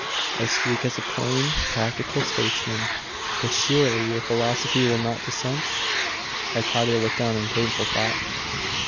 I speak as a plain practical statesman but surely your philosophy will not dissent?' Hypatia looked down in painful thought.